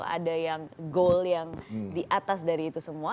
ada yang goal yang diatas dari itu semua